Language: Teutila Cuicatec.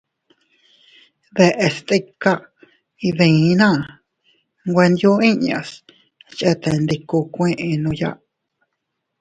Deʼes stika iydinaa nweyo inñas chetendikuukuennooya.